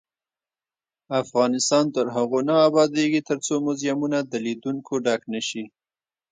افغانستان تر هغو نه ابادیږي، ترڅو موزیمونه د لیدونکو ډک نشي.